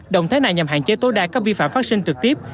động thái này nhằm hạn chế tối đa các vi phạm phát sinh trực tiếp